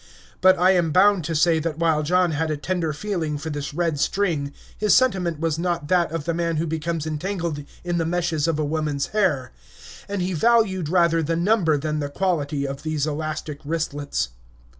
But I am bound to say that while John had a tender feeling for this red string, his sentiment was not that of the man who becomes entangled in the meshes of a woman's hair; and he valued rather the number than the quality of these elastic wristlets.